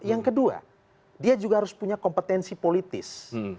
yang kedua dia juga harus punya kompetensi politis